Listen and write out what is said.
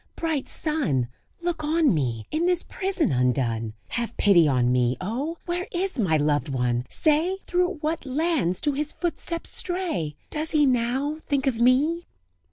bright sun! Look on me, in this prison undone! Have pity on me! Oh! where is my loved one? say! Through what lands do his footsteps stray? And does he now think of me?"